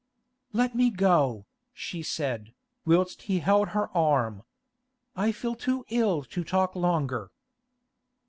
'Let me go,' she said, whilst he held her arm. 'I feel too ill to talk longer.